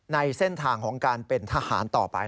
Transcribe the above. ในเส้นทางของการเป็นทหารต่อไป